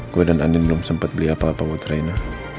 gue dan andien belum sempet beli apa apa buat rena